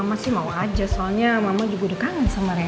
mama sih mau aja soalnya mama juga udah kangen sama mereka